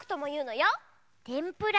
てんぷら？